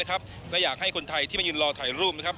และอยากให้คนไทยที่มายืนรอถ่ายรูม